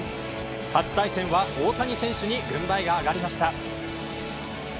初対戦は、大谷選手に軍配が上がりました。